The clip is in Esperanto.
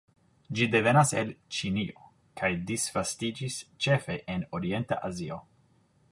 Ĝi devenas el Ĉinio, kaj disvastiĝis ĉefe en orienta Azio.